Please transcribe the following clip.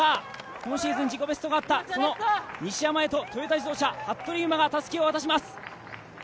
今シーズン自己ベストがあった西山へとトヨタ自動車、服部勇馬がたすきを渡します。